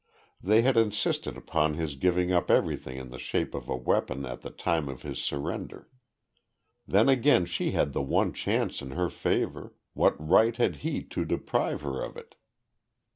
They had insisted upon his giving up everything in the shape of a weapon at the time of his surrender. Then again, she had the one chance in her favour, what right had he to deprive her of it?